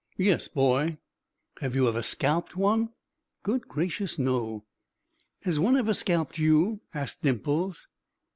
"Yes, boy." "Have you ever scalped one?" "Good gracious, no." "Has one ever scalped you?" asked Dimples.